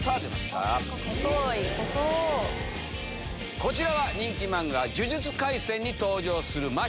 こちらは人気漫画、呪術廻戦に登場する真人。